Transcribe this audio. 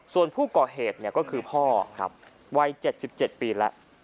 ส่วนผู้ก่อเหตุก็คือพ่อครับวัย๗๗ปีแล้ว